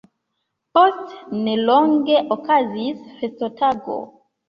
Post nelonge okazis festotago.